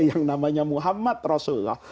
yang namanya muhammad rasulullah